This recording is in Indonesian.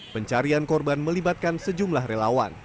pencarian korban melibatkan sejumlah relawan